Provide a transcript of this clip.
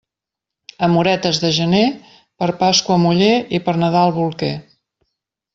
Amoretes de gener, per Pasqua, muller, i per Nadal, bolquer.